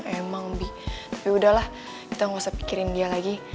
emang bi tapi udahlah kita gak usah pikirin dia lagi